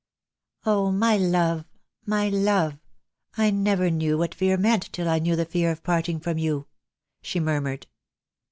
"Oh, my love, my love, I never knew what fear meant till I knew the fear of parting from you," she mur mured.